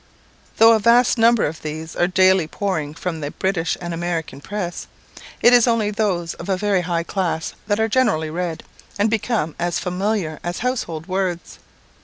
Though a vast number of these works are daily pouring from the British and American press, it is only those of a very high class that are generally read, and become as familiar as household words.